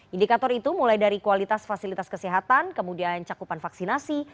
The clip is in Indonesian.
indikator itu mulai dari kualitas fasilitas kesehatan kemudian cakupan vaksinasi